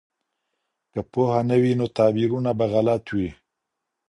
که پوهه نه وي نو تعبیرونه به غلط وي.